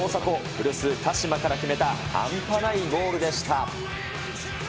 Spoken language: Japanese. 古巣、鹿島から決めたハンパないゴールでした。